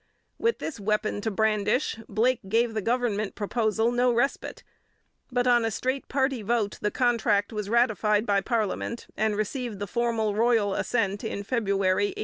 With this weapon to brandish Blake gave the government proposal no respite, but on a straight party vote the contract was ratified by parliament and received the formal royal assent in February 1881.